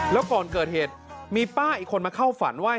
แล้วก่อนเกิดเหตุมีป้าอีกคนมาเข้าฝันว่า